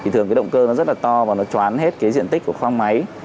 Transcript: thường động cơ rất to và nó choán hết diện tích của khoang máy